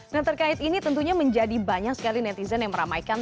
nah terkait ini tentunya menjadi banyak sekali netizen yang meramaikan